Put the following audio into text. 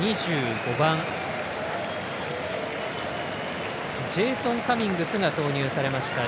２５番ジェイソン・カミングスが投入されました。